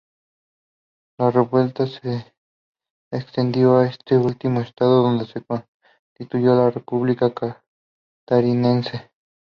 La revuelta se extendió a este último estado donde se constituyó la República Catarinense.